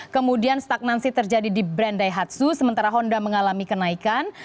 kemudian stagnansi terjadi di brand daihatsu sementara honda mengalami kenaikan